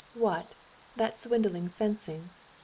"What! That swindling fencing!